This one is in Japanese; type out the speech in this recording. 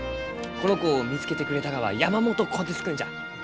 この子を見つけてくれたがは山元虎鉄君じゃ。